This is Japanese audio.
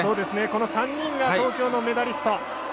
この３人が東京のメダリスト。